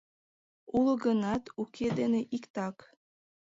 Уло гынат, уке дене иктак...